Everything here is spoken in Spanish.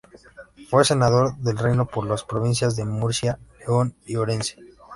Fue senador del reino por las provincias de Murcia, León y Orense.